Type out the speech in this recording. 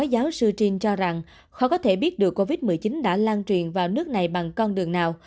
giáo sư trin cho rằng khó có thể biết được covid một mươi chín đã lan truyền vào nước này bằng con đường nào